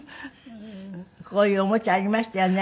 こういうおもちゃありましたよね。